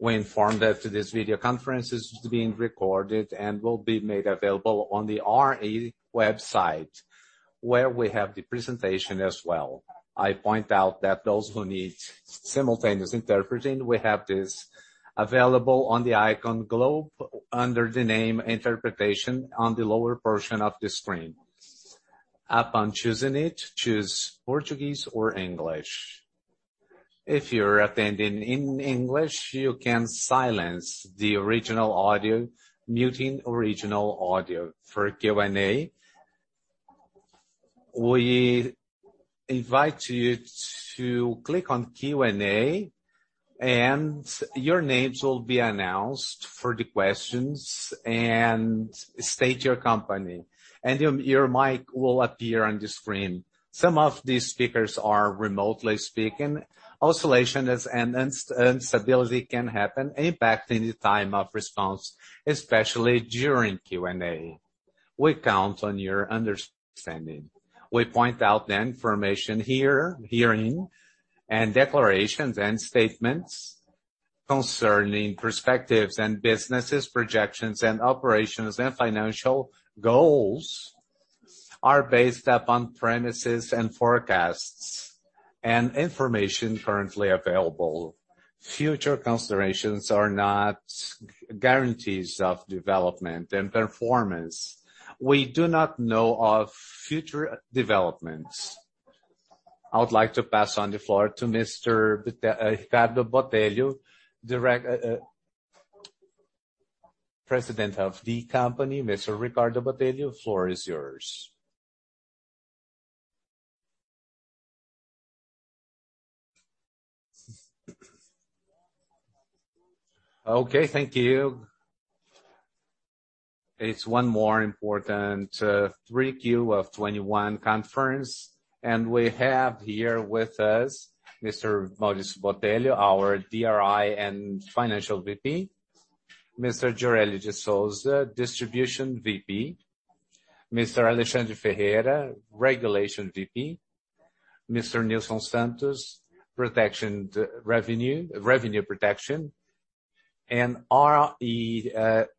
We inform that this video conference is being recorded and will be made available on the IR website, where we have the presentation as well. I point out that those who need simultaneous interpreting, we have this available on the icon globe under the name Interpretation on the lower portion of the screen. Upon choosing it, choose Portuguese or English. If you're attending in English, you can silence the original audio, muting original audio. For Q&A, we invite you to click on Q&A and your names will be announced for the questions, and state your company, and your mic will appear on the screen. Some of these speakers are remotely speaking. Oscillation and instability can happen impacting the time of response, especially during Q&A. We count on your understanding. We point out the information here, hearing and declarations and statements concerning perspectives and businesses, projections and operations and financial goals are based upon premises and forecasts and information currently available. Future considerations are not guarantees of development and performance. We do not know of future developments. I would like to pass on the floor to Mr. Ricardo Botelho, President of the company. Mr. Ricardo Botelho, floor is yours. Okay, thank you. It's one more important 3Q of 2021 conference, and we have here with us Mr. Maurício Botelho, our DRI and Financial VP, Mr. Gioreli de Sousa, Distribution VP, Mr. Alexandre Ferreira, Regulation VP, Mr. Nilson Santos, Revenue Protection, and RE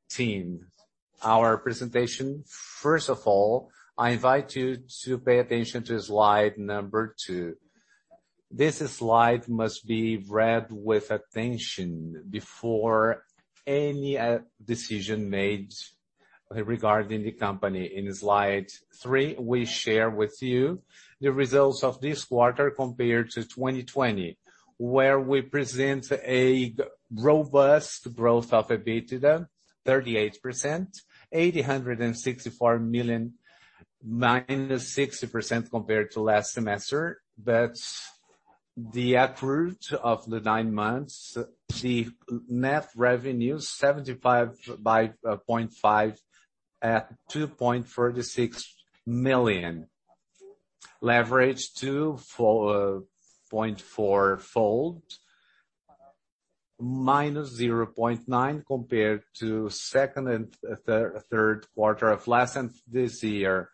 team. Our presentation, first of all, I invite you to pay attention to slide number two. This slide must be read with attention before any decision made regarding the company. In slide three, we share with you the results of this quarter compared to 2020, where we present a robust growth of EBITDA 38%, 864 million, -60% compared to last semester. The result of the 9 months, the net revenue 75.5% at BRL 2.36 billion. Leverage to 4.4x, -0.9 compared to second and third quarter of last and this year.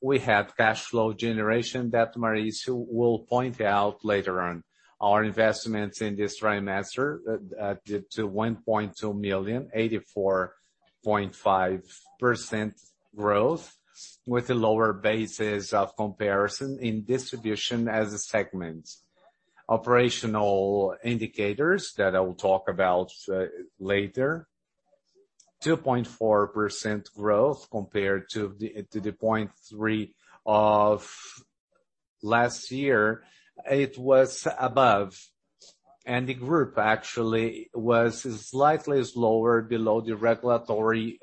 We have cash flow generation that Maurício will point out later on. Our investments in this trimester to BRL 1.2 billion, 84.5% growth with a lower basis of comparison in distribution as a segment. Operational indicators that I will talk about later, 2.4% growth compared to the 0.3% of last year, it was above. The group actually was slightly lower below the regulatory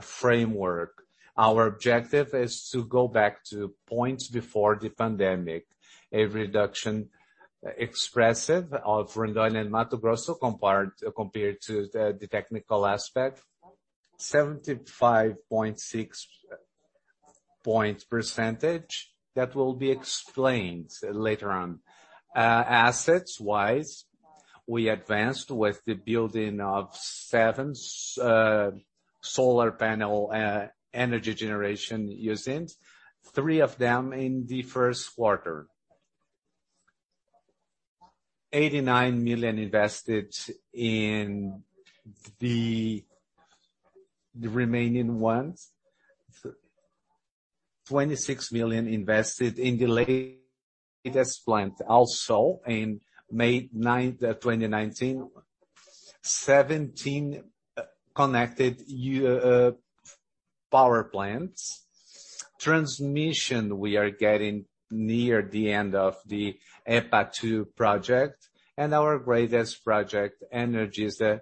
framework. Our objective is to go back to points before the pandemic. A reduction expressive of Rondônia and Mato Grosso compared to the technical aspect, 75.6% that will be explained later on. Assets-wise, we advanced with the building of seven solar panel energy generation usinas. Three of them in the first quarter. BRL 89 million invested in the remaining ones. 26 million invested in the latest plant also in May 9, 2019. 17 connected power plants. Transmission, we are getting near the end of the EPA2 project and our greatest project Energisa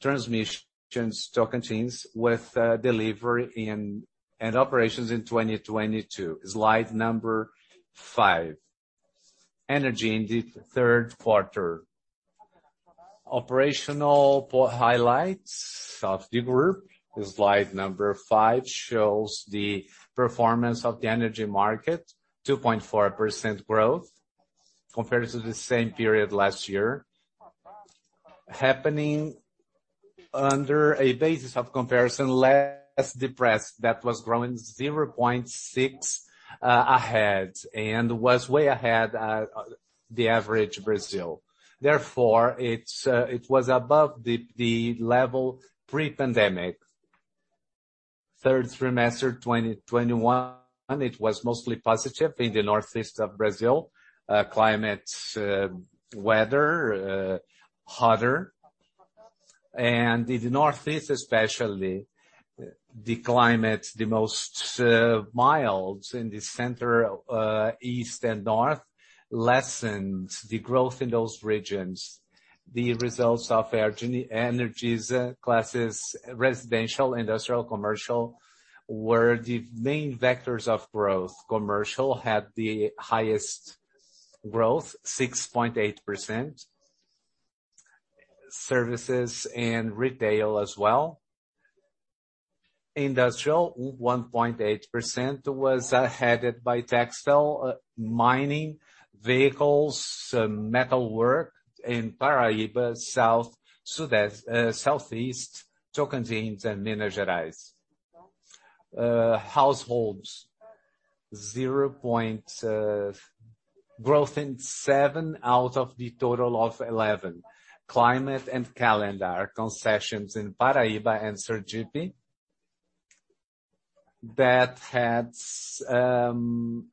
transmission Tocantins with delivery and operations in 2022. Slide number five. Energy in the third quarter. Operational highlights of the group. Slide number five shows the performance of the energy market, 2.4% growth compared to the same period last year. Happening under a basis of comparison less depressed than that was growing 0.6%, ahead and was way ahead of the average Brazil. Therefore, it was above the level pre-pandemic. Third quarter 2021, it was mostly positive in the northeast of Brazil. The weather was hotter. In the northeast especially, the climate was milder in the center-east and north, lessening the growth in those regions. The results of Energisa classes residential, industrial, commercial were the main vectors of growth. Commercial had the highest growth, 6.8%. Services and retail as well. Industrial, 1.8% was headed by textile, mining, vehicles, metalwork in southern Paraíba. Southeast Tocantins and Minas Gerais. Households, 0% growth in seven out of the total of 11. Climate and calendar concessions in Paraíba and Sergipe that had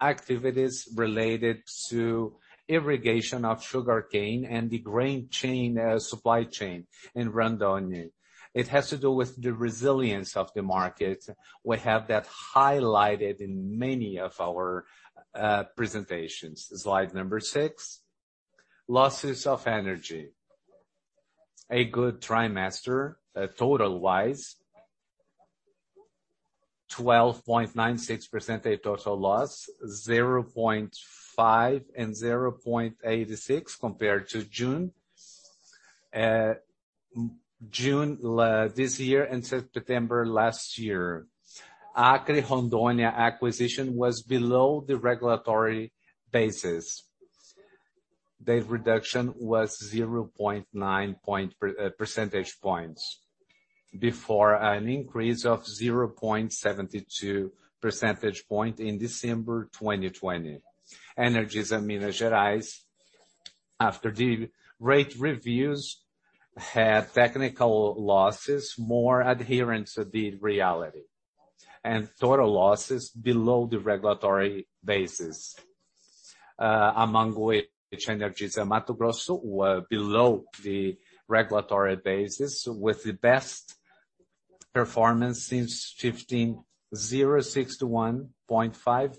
activities related to irrigation of sugarcane and the grain chain supply chain in Rondônia. It has to do with the resilience of the market. We have that highlighted in many of our presentations. Slide six. Energy losses. A good quarter, overall. 12.96% total loss, 0.5% and 0.86% compared to June this year and September last year. Acre Rondônia acquisition was below the regulatory basis. The reduction was 0.9 percentage points before an increase of 0.72 percentage points in December 2020. Energisa Minas Gerais, after the rate reviews, had technical losses, more adherence to the reality, and total losses below the regulatory basis. Among which Energisa Mato Grosso were below the regulatory basis with the best performance since shifting 0.6 to 1.5,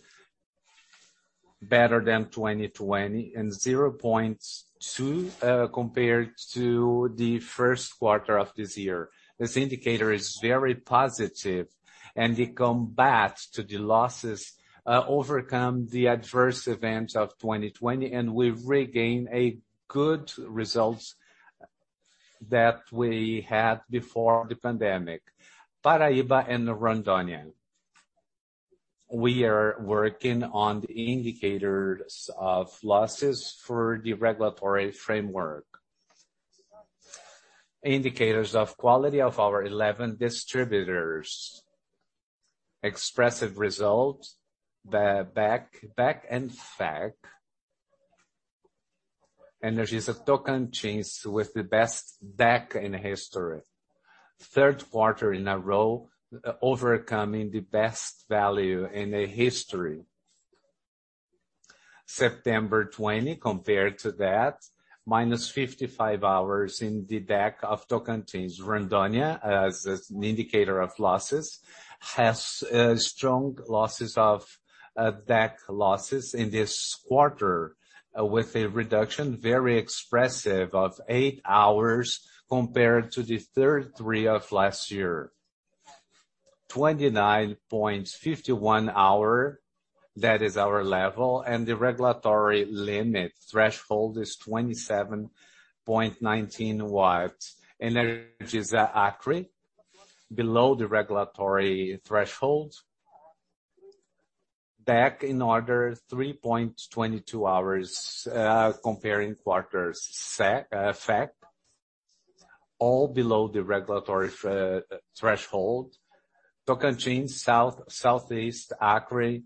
better than 2020 and 0.2, compared to the first quarter of this year. This indicator is very positive, and the combat to the losses overcome the adverse events of 2020, and we've regained a good results that we had before the pandemic. Paraíba and Rondônia, we are working on the indicators of losses for the regulatory framework. Indicators of quality of our eleven distributors. Expressive results, the DEC and FEC. Energisa Tocantins with the best DEC in history. Third quarter in a row, overcoming the best value in the history. September 20 compared to that, -55 hours in the DEC of Tocantins. Rondônia, as an indicator of losses, has strong losses of DEC losses in this quarter with a reduction very expressive of eight hours compared to the third quarter of last year. 29.51 hours, that is our level, and the regulatory limit threshold is 27.19 hours. Energisa Acre, below the regulatory threshold. DEC in Q3 3.22 hours, comparing quarters. DEC, FEC all below the regulatory threshold. Tocantins, South, Southeast, Acre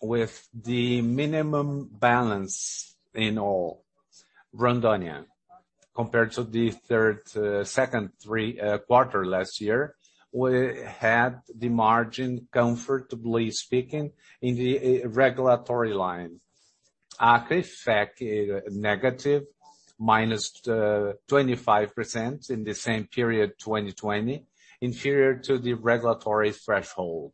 with the minimum balance in all. Rondônia, compared to the third, second quarter last year, we had the margin comfortably speaking in the regulatory line. Acre FEC negative -25% in the same period, 2020, inferior to the regulatory threshold.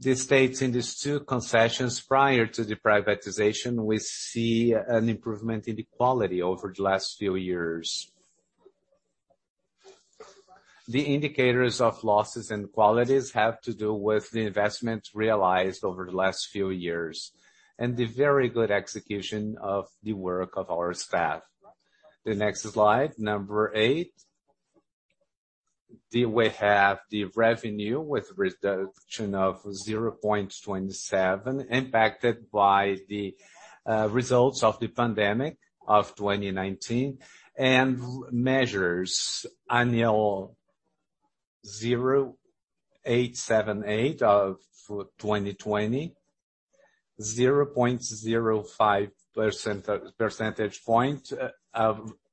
The states in these two concessions prior to the privatization, we see an improvement in the quality over the last few years. The indicators of losses and qualities have to do with the investments realized over the last few years and the very good execution of the work of our staff. The next slide, number eight. We have the revenue with reduction of 0.27, impacted by the results of the pandemic of 2019. Measures annual 0.878 of 2020, 0.05 percentage point of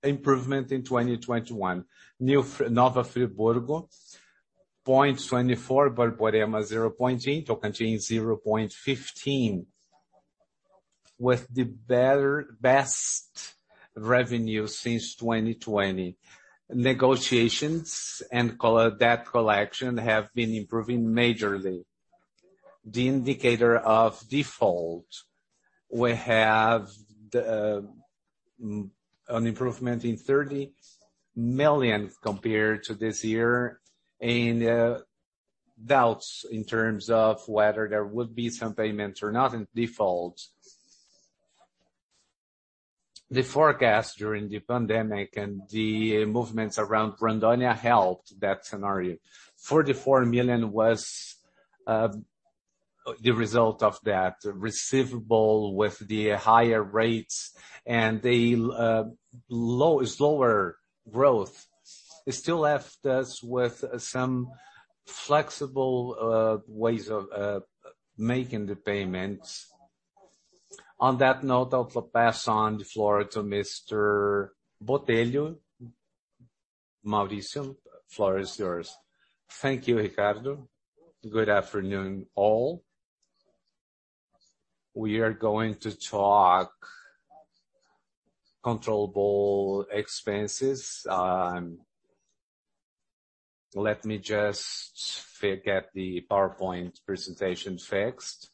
improvement in 2021. Nova Friburgo 0.24, Borborema 0.8, Tocantins 0.15. With the best revenue since 2020. Negotiations and debt collection have been improving majorly. The indicator of default, we have an improvement in 30 million compared to this year, in doubts in terms of whether there would be some payments or not in default. The forecast during the pandemic and the movements around Rondônia helped that scenario. 44 million was the result of that receivable with the higher rates and the slower growth. It still left us with some flexible ways of making the payments. On that note, I'll pass on the floor to Mr. Botelho. Mauricio, floor is yours. Thank you, Ricardo. Good afternoon, all. We are going to talk controllable expenses. Let me just get the PowerPoint presentation fixed.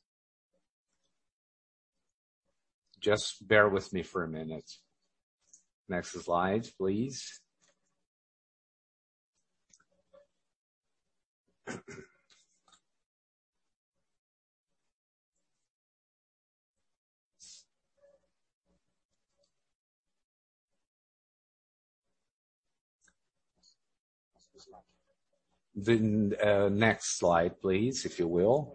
Just bear with me for a minute. Next slide, please, if you will.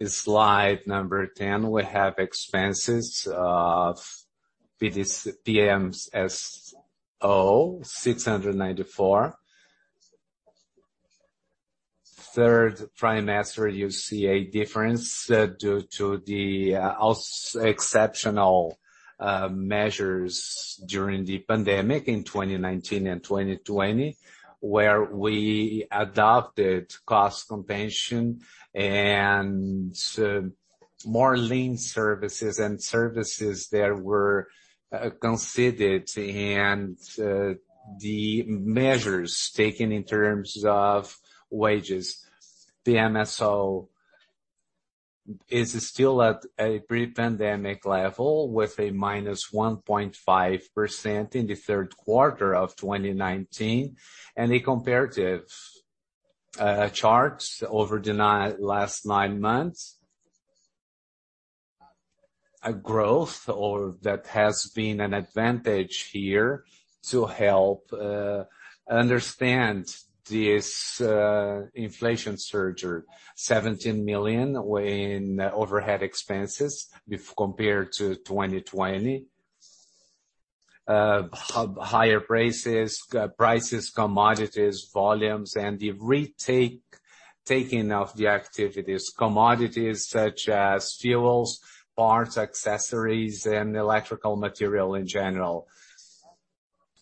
In slide number 10, we have expenses of PMSO, 694 million. Third quarter, you see a difference due to the also exceptional measures during the pandemic in 2019 and 2020, where we adopted cost containment and PMSO more lean services, and services that were considered and the measures taken in terms of wages. The PMSO is still at a pre-pandemic level with a -1.5% in the third quarter of 2019. A comparative chart over the last nine months. A growth that has been an advantage here to help understand this inflation surge of 17 million in overhead expenses when compared to 2020. Higher prices, commodities, volumes, and the retaking of the activities. Commodities such as fuels, parts, accessories, and electrical material in general.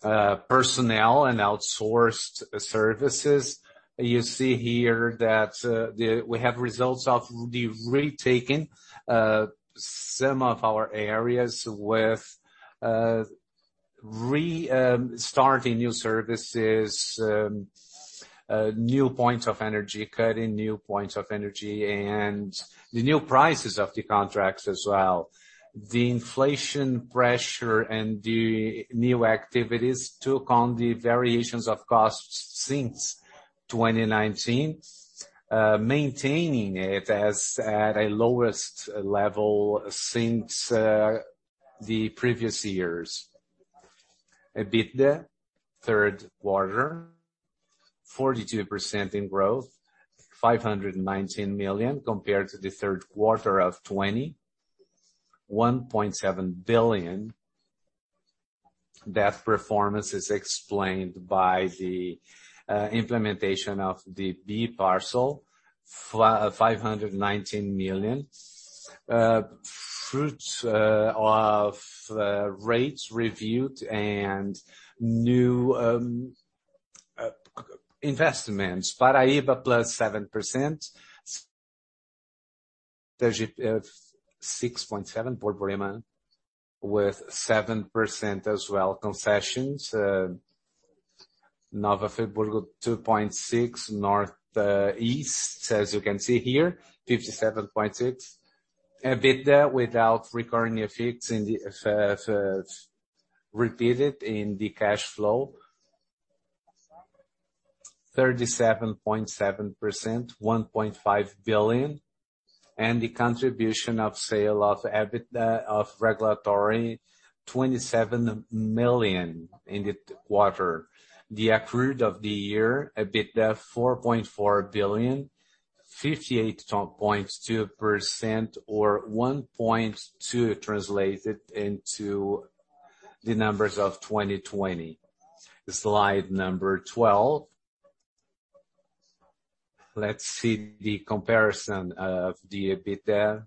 Personnel and outsourced services. You see here that we have results of the retaking some of our areas with starting new services new points of energy, cutting new points of energy and the new prices of the contracts as well. The inflation pressure and the new activities took on the variations of costs since 2019 maintaining it at a lowest level since the previous years. EBITDA third quarter 42% growth 519 million compared to the third quarter of 2020. 1.7 billion. That performance is explained by the implementation of the Parcela B 519 million. Fruits of rates reviewed and new investments. Paraíba +7%. Sergipe 6.7 Borborema with 7% as well. Concessions Nova Friburgo 2.6. North, East, as you can see here, 57.6. EBITDA without recurring effects in the FCF reflected in the cash flow 37.7%, 1.5 billion. The contribution from sale to EBITDA of regulatory 27 million in the quarter. Year-to-date EBITDA 4.4 billion, 58.2%, or 1.2 translated into the numbers of 2020. Slide 12. Let's see the comparison of the EBITDA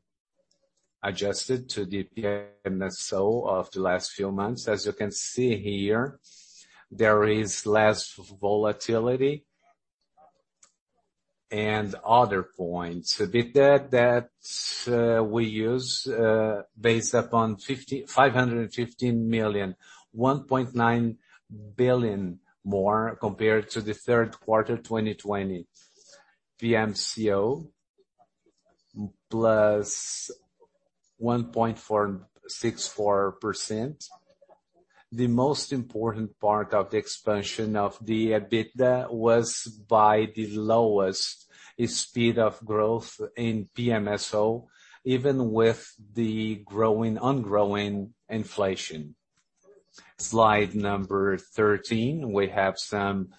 adjusted and the PMSO of the last few months. As you can see here, there is less volatility. Other points. EBITDA that we use based upon 515 million, 1.9 billion more compared to the third quarter 2020. PMSO +1.464%. The most important part of the expansion of the EBITDA was by the lowest speed of growth in PMSO, even with the growing inflation. Slide number 13. We have some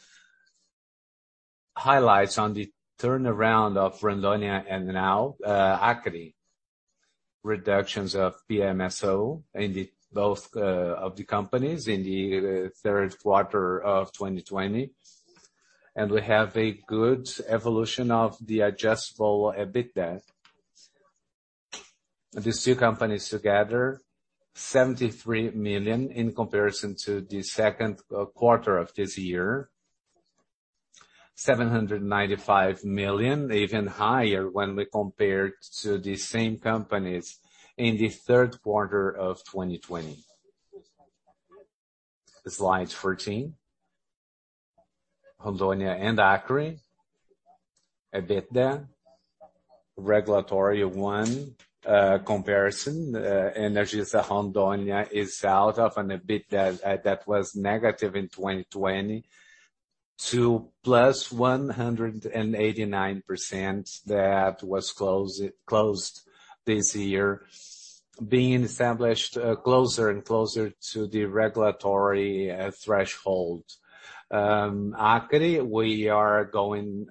highlights on the turnaround of Rondônia and now Acre. Reductions of PMSO in both of the companies in the third quarter of 2020. We have a good evolution of the adjusted EBITDA. The two companies together, 73 million in comparison to the second quarter of this year. 795 million, even higher when we compare to the same companies in the third quarter of 2020. Slide 14. Rondônia and Acre. EBITDA. Regulatory one comparison. Energisa Rondônia is out of an EBITDA that was negative in 2020 to +189% that was closed this year, being established closer and closer to the regulatory threshold. Acre, we are growing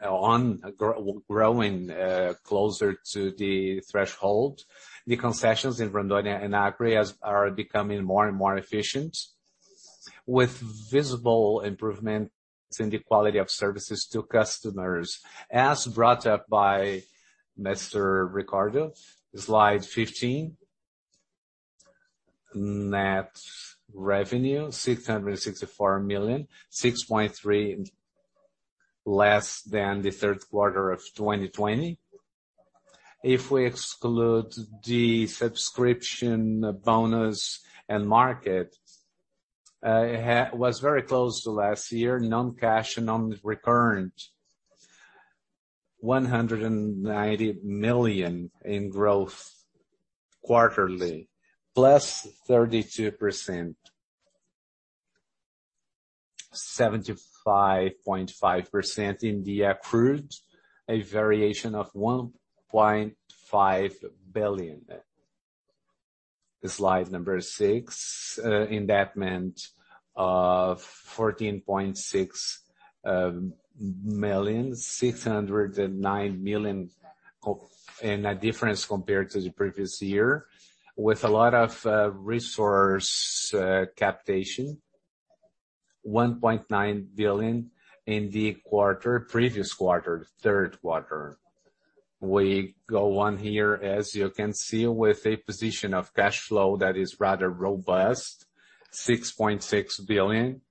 closer to the threshold. The concessions in Rondônia and Acre are becoming more and more efficient, with visible improvements in the quality of services to customers, as brought up by Mr. Ricardo. Slide 15. Net revenue 664 million, 6.3% less than the third quarter of 2020. If we exclude the subscription bonus and market, it was very close to last year. Non-cash and non-recurrent 190 million in growth quarterly, +32%. 75.5% in the accrued, a variation of 1.5 billion. Slide six. Indebtedness of 14.6 million, 609 million in a difference compared to the previous year, with a lot of resource captation. 1.9 billion in the quarter, previous quarter, third quarter. We go on here as you can see with a position of cash flow that is rather robust, 6.6 billion,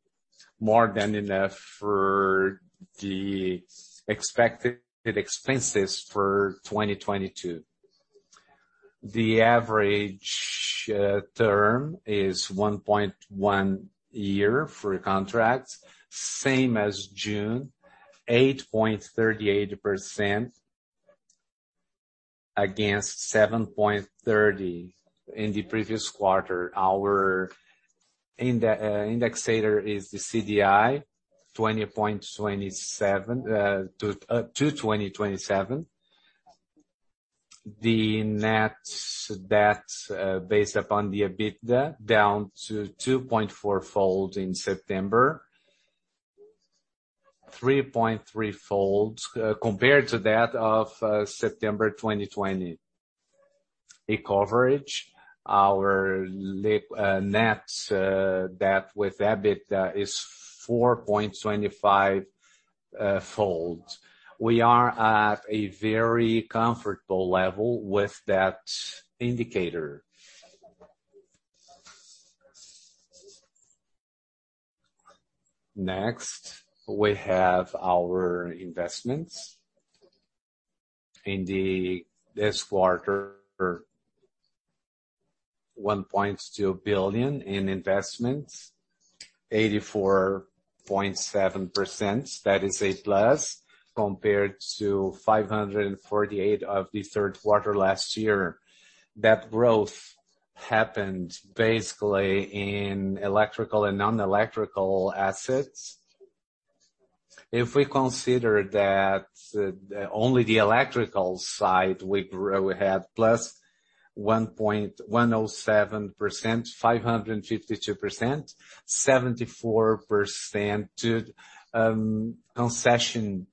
more than enough for the expected expenses for 2022. The average term is 1.1 year for contracts, same as June, 8.38% against 7.30% in the previous quarter. Our indexator is the CDI, 20.27 to 2027. The net debt based upon the EBITDA down to 2.4-fold in September. 3.3-fold compared to that of September 2020. The coverage of our net debt with EBITDA is 4.25-fold. We are at a very comfortable level with that indicator. Next, we have our investments. In this quarter, 1.2 billion in investments, 84.7%. That is a plus compared to 548 of the third quarter last year. That growth happened basically in electrical and non-electrical assets. If we consider that, only the electrical side, we have +1.07%, 552%, 74% to concessions,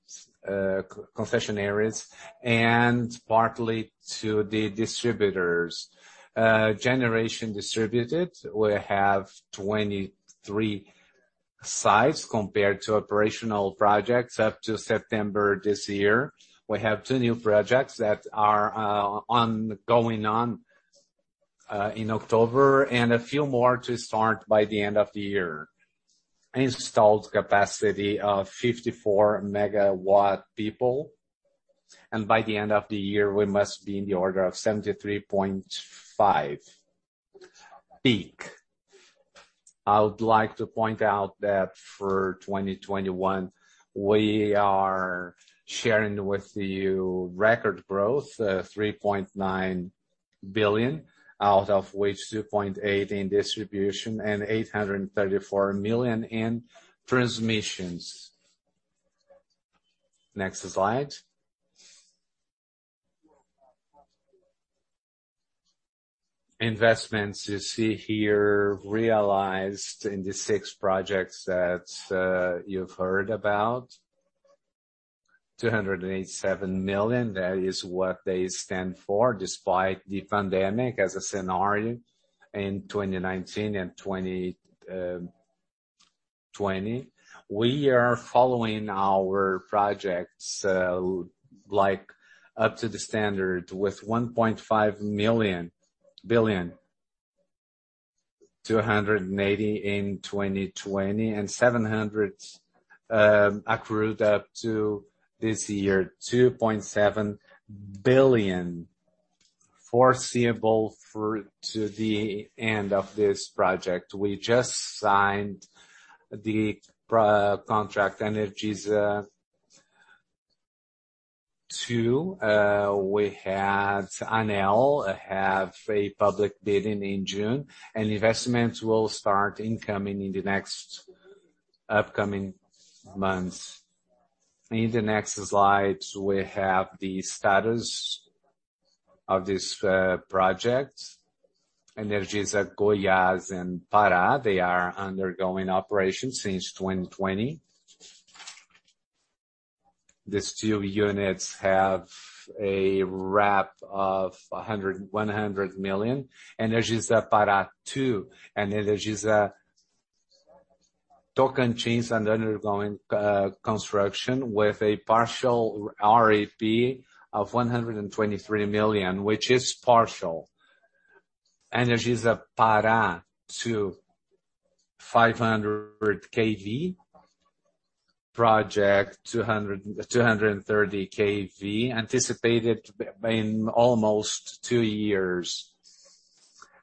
concessionaires, and partly to the distributors. Distributed generation, we have 23 sites compared to operational projects up to September this year. We have two new projects that are ongoing in October, and a few more to start by the end of the year. Installed capacity of 54 MW peak. By the end of the year, we must be in the order of 73.5 MW peak. I would like to point out that for 2021, we are sharing with you record growth, 3.9 billion, out of which 2.8 billion in distribution and 834 million in transmissions. Next slide. Investments you see here realized in the six projects that you've heard about. 287 million, that is what they stand for, despite the pandemic as a scenario in 2019 and 2020. We are following our projects like up to the standard with 1.5 billion to 180 million in 2020 and 700 million accrued up to this year. 2.7 billion foreseeable through to the end of this project. We just signed the contract Energisa two. We had ANEEL have a public bidding in June, and investments will start incoming in the next upcoming months. In the next slide, we have the status of this project. Energisa Goiás and Pará, they are undergoing operations since 2020. These two units have a RAP of BRL 100 million. Energisa Pará two. Energisa Tocantins are undergoing construction with a partial RAP of 123 million, which is partial. Energisa Pará two, 500 kV. Project 230 kV anticipated to being almost two years.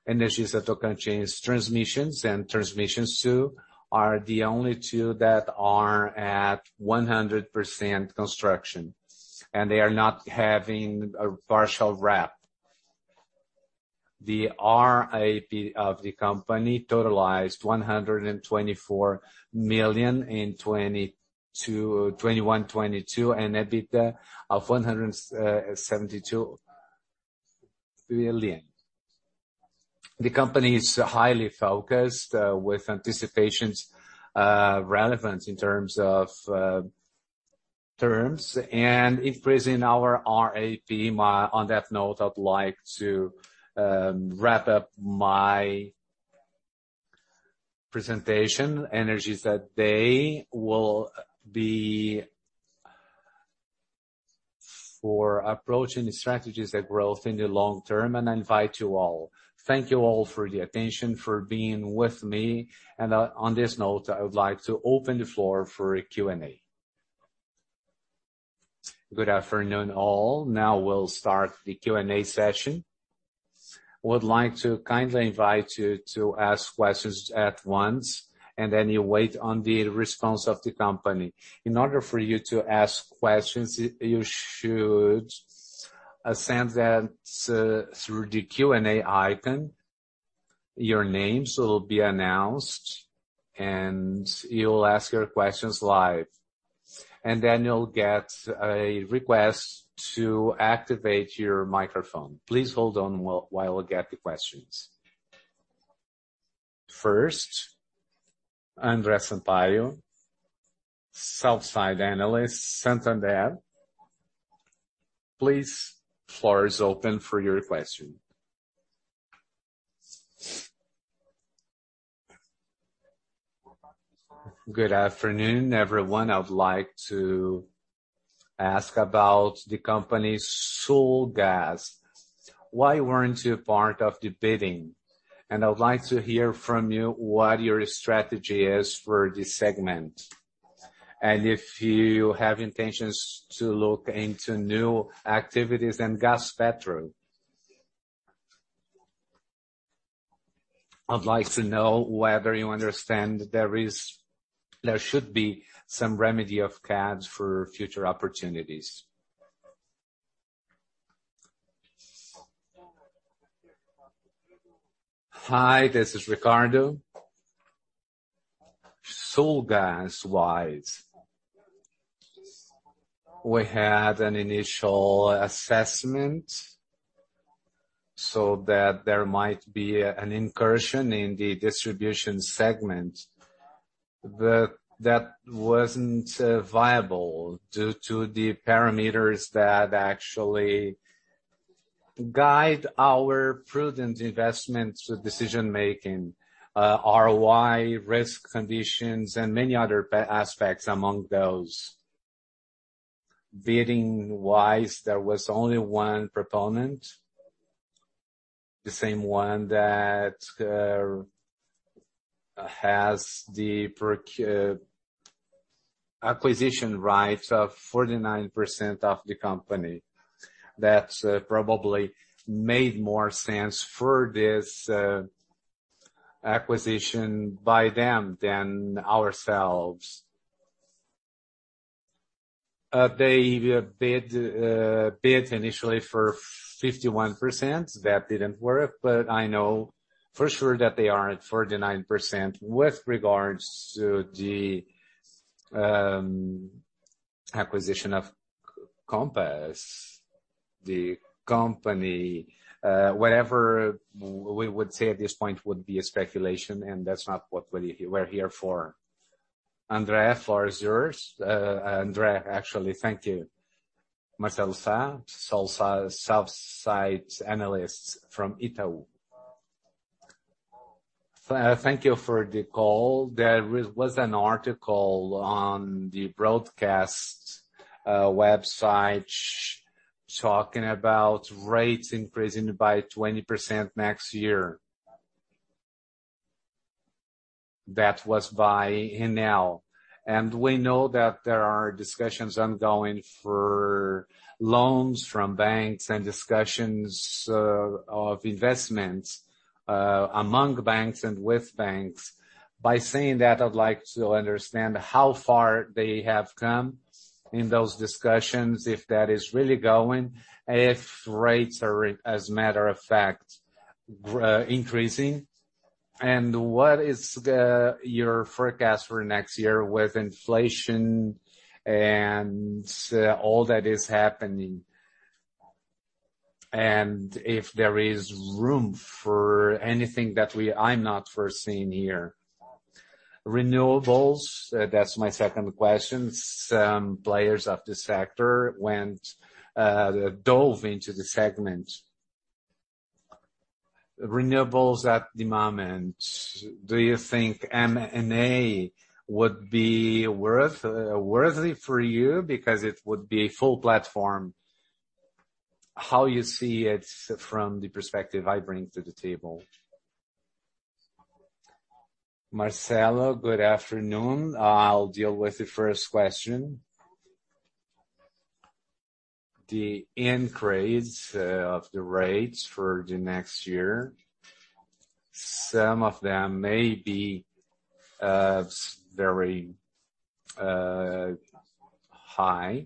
Energisa Tocantins transmissions and transmissions two are the only two that are at 100% construction, and they are not having a partial RAP. The RAP of the company totalized 124 million in twenty-one, twenty-two, and EBITDA of 172 billion. The company is highly focused with anticipations relevance in terms of terms and increasing our RAP. On that note, I'd like to wrap up my presentation. Energisa Day will be for approaching the strategies at growth in the long term, and I invite you all. Thank you all for the attention, for being with me. On this note, I would like to open the floor for a Q&A. Good afternoon, all. Now we'll start the Q&A session. We would like to kindly invite you to ask questions at once and then you wait on the response of the company. In order for you to ask questions, you should send that through the Q&A icon. Your names will be announced, and you'll ask your questions live. Then you'll get a request to activate your microphone. Please hold on while we get the questions. First, André Sampaio, sell-side analyst, Santander. Please, floor is open for your question. Good afternoon, everyone. I would like to ask about the company's Sulgás. Why weren't you part of the bidding? And I would like to hear from you what your strategy is for this segment. And if you have intentions to look into new activities and gas petrol. I'd like to know whether you understand there should be some remedy of caps for future opportunities. Hi, this is Ricardo. Sulgás-wise, we had an initial assessment so that there might be an incursion in the distribution segment. That wasn't viable due to the parameters that actually guide our prudent investments with decision-making, ROI risk conditions and many other aspects among those. Bidding-wise, there was only one proponent, the same one that has the acquisition rights of 49% of the company. That probably made more sense for this acquisition by them than ourselves. They bid initially for 51%. That didn't work, but I know for sure that they are at 49%. With regards to the acquisition of Compass, the company, whatever we would say at this point would be speculation, and that's not what we're here for. André, the floor is yours. André, actually, thank you. Marcelo Sá, sell-side analyst from Itaú. Thank you for the call. There was an article on the broadcast website talking about rates increasing by 20% next year. That was by Enel. We know that there are discussions ongoing for loans from banks and discussions of investments among banks and with banks. By saying that, I'd like to understand how far they have come in those discussions, if that is really going, if rates are, as a matter of fact, increasing, and what is your forecast for next year with inflation and all that is happening. If there is room for anything that I'm not foreseeing here. Renewables, that's my second question. Some players of this sector went and dove into the segment. Renewables at the moment, do you think M&A would be worthwhile for you? Because it would be a full platform. How you see it from the perspective I bring to the table. Marcelo, good afternoon. I'll deal with the first question. The increase of the rates for the next year, some of them may be very high.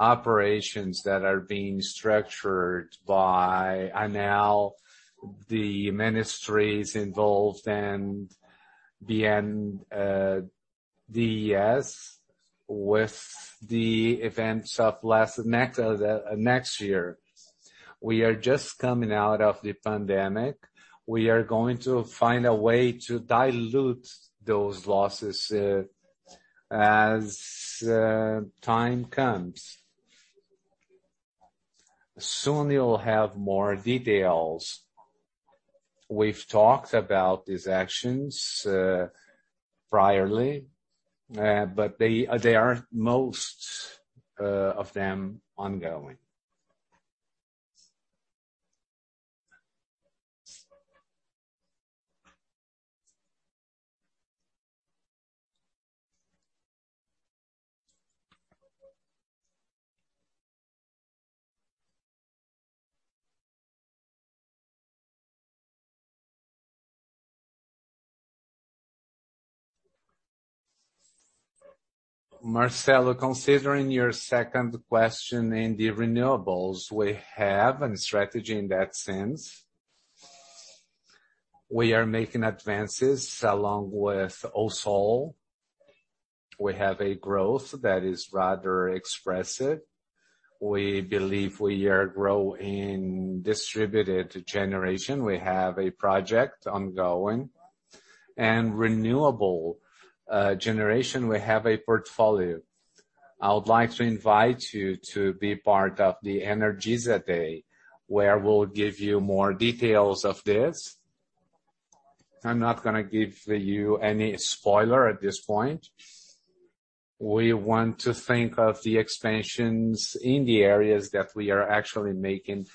Operations that are being structured by Enel, the ministries involved and ANEEL, with the events of last year, next year. We are just coming out of the pandemic. We are going to find a way to dilute those losses as time comes. Soon you'll have more details. We've talked about these actions previously, but they are most of them ongoing. Marcelo, considering your second question in the renewables, we have a strategy in that sense. We are making advances along with Alsol. We have a growth that is rather expressive. We believe we are growing distributed generation. We have a project ongoing. Renewable generation, we have a portfolio. I would like to invite you to be part of the Energisa Day, where we'll give you more details of this. I'm not gonna give you any spoiler at this point. We want to think of the expansions in the areas that we are actually making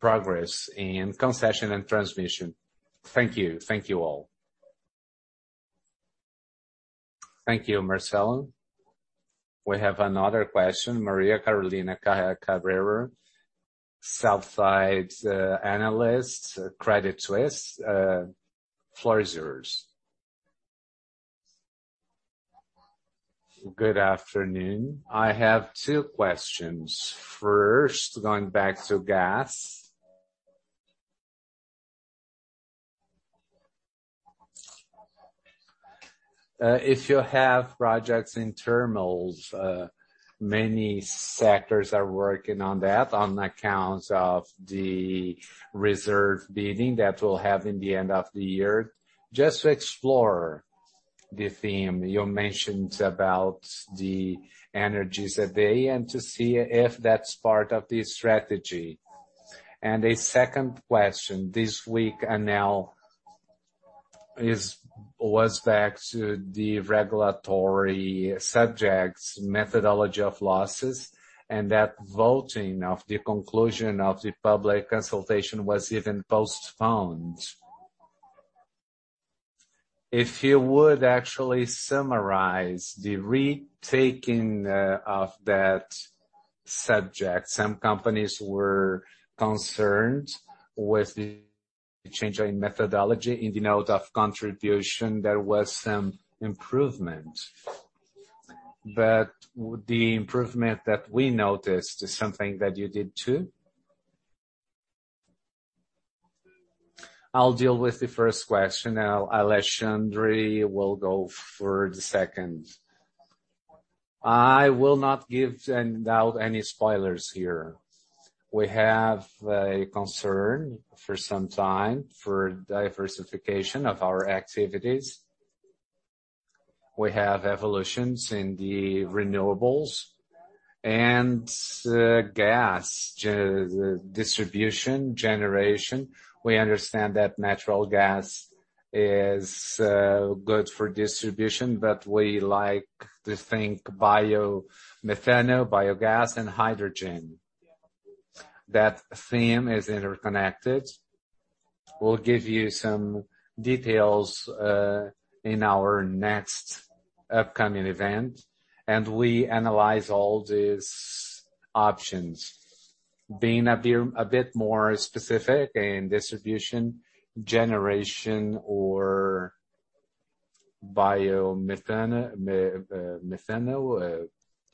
progress in concession and transmission. Thank you. Thank you all. Thank you, Marcelo. We have another question. Maria Carolina Cabrera, sell-side analyst, Credit Suisse, floor is yours. Good afternoon. I have two questions. First, going back to gas. If you have projects in terminals, many sectors are working on that on account of the reserve bidding that will have in the end of the year. Just to explore the theme, you mentioned about the Energisa Day, and to see if that's part of the strategy. A second question, this week, Enel was back to the regulatory subjects, methodology of losses, and that voting of the conclusion of the public consultation was even postponed. If you would actually summarize the retaking of that subject. Some companies were concerned with the change in methodology. In the note of contribution, there was some improvement. But would the improvement that we noticed is something that you did too? I'll deal with the first question. Alexandre will go for the second. I will not give, without any spoilers here. We have a concern for some time for diversification of our activities. We have evolutions in the renewables and gas distribution, generation. We understand that natural gas is good for distribution, but we like to think biomethane, biogas, and hydrogen. That theme is interconnected. We'll give you some details in our next upcoming event, and we analyze all these options. Being a bit more specific in distribution, generation or biomethane,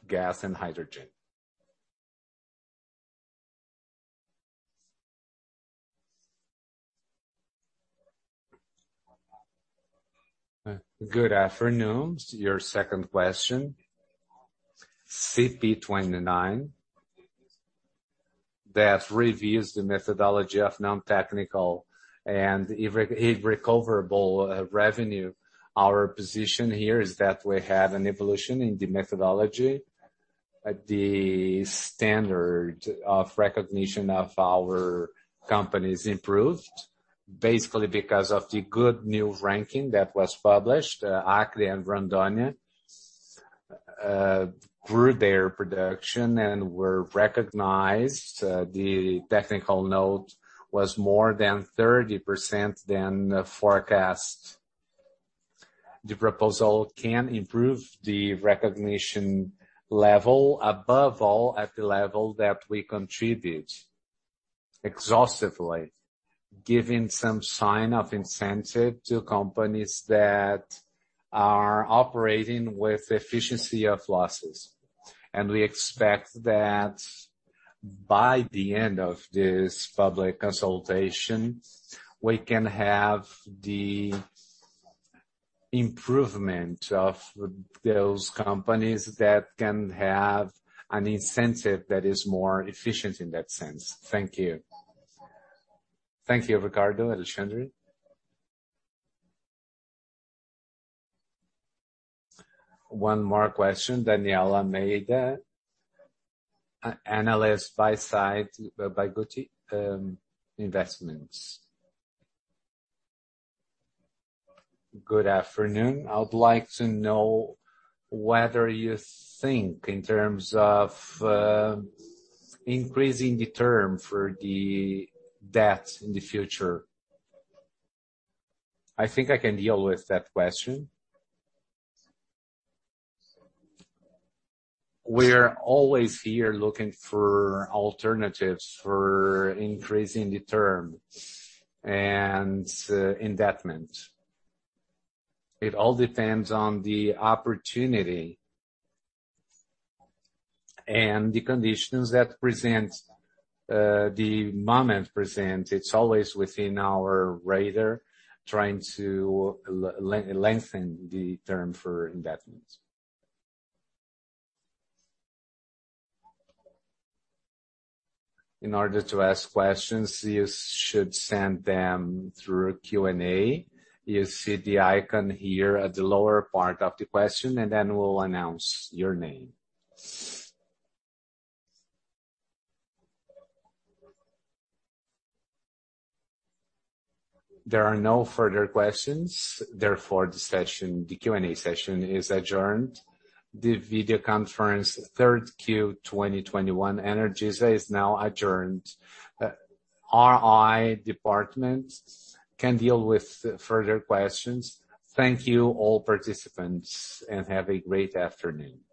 gas and hydrogen. Good afternoon. Your second question. CP 29, that reviews the methodology of non-technical and irrecoverable revenue. Our position here is that we have an evolution in the methodology. The standard of recognition of our company's improved basically because of the good new ranking that was published. Acre and Rondônia grew their production and were recognized. The technical note was more than 30% than forecast. The proposal can improve the recognition level, above all at the level that we contribute exhaustively, giving some sign of incentive to companies that are operating with efficiency of losses. We expect that by the end of this public consultation, we can have the improvement of those companies that can have an incentive that is more efficient in that sense. Thank you. Thank you, Ricardo. Alexandre. One more question, Daniela Madeira, sell-side analyst with Guti Investments. Good afternoon. I would like to know whether you think in terms of increasing the term for the debt in the future. I think I can deal with that question. We're always here looking for alternatives for increasing the term and indebtedness. It all depends on the opportunity and the conditions that the present moment presents. It's always within our radar trying to lengthen the term for indebtedness. In order to ask questions, you should send them through Q&A. You see the icon here at the lower part of the question, and then we'll announce your name. There are no further questions, therefore the session, the Q&A session, is adjourned. The video conference Q3 2021 Energisa is now adjourned. Our IR department can deal with further questions. Thank you, all participants, and have a great afternoon.